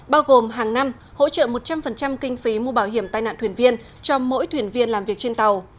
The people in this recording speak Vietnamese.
bao gồm hàng năm hỗ trợ một trăm linh kinh phí mua bảo hiểm tai nạn thuyền viên cho mỗi thuyền viên làm việc trên tàu